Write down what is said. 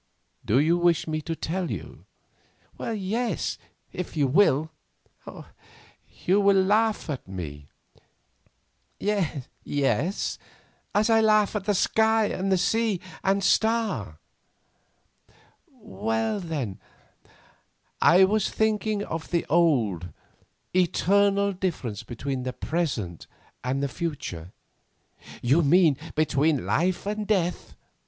"Do you wish me to tell you?" "Yes, if you will." "You will laugh at me." "Yes—as I laugh at that sky, and sea, and star." "Well, then, I was thinking of the old, eternal difference between the present and the future." "You mean between life and death?"